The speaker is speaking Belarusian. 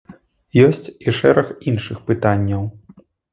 Ёсць і шэраг іншых пытанняў.